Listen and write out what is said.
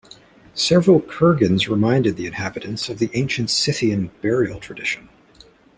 Several kurgans reminded the inhabitants of the ancient Scythian burial tradition.